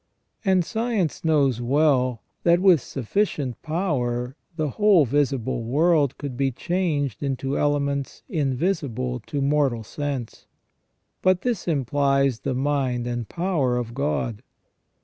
And science knows well, that with sufficient power the whole visible world could be changed into elements invisible to mortal sense. But this implies the mind and power of God.